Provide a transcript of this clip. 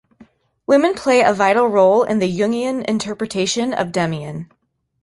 Women play a vital role in the Jungian interpretation of "Demian".